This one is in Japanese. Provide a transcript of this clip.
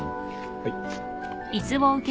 はい。